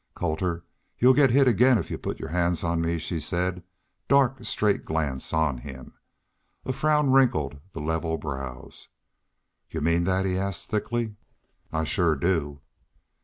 "Colter, y'u'll get hit again if y'u put your hands on me," she said, dark, straight glance on him. A frown wrinkled the level brows. "Y'u mean that?" he asked, thickly. "I shore, do."